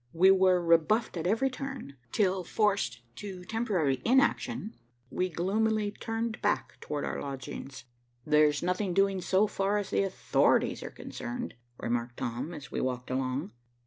We were rebuffed at every turn, till forced to temporary inaction, we gloomily turned back towards our lodgings. "There's nothing doing so far as the authorities are concerned," remarked Tom, as we walked along.